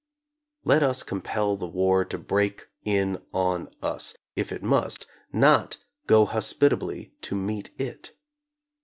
Let us compel the war to break in on us, if it must, not go hospitably to meet it.